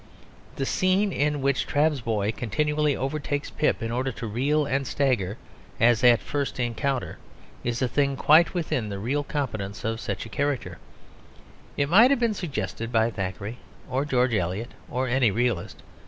The scene in which Trabb's boy continually overtakes Pip in order to reel and stagger as at a first encounter is a thing quite within the real competence of such a character; it might have been suggested by Thackeray, or George Eliot, or any realist.